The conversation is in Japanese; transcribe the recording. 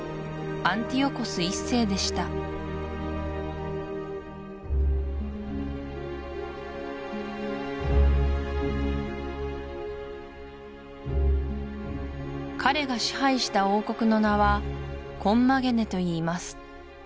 アンティオコス１世でした彼が支配した王国の名はコンマゲネといいます